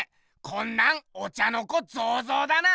こんなんお茶の子ゾウゾウだな！